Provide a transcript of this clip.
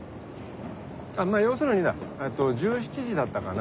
まあ要するにだ１７時だったかな。